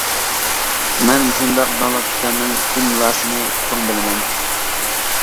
مەن مۇشۇنداق داڭلىق كىشىلەرنىڭ ئىملاسىنى چوڭ بىلىمەن.